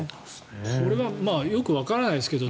これはよくわからないですけど